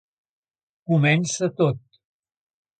Comença tot.